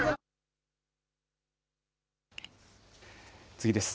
次です。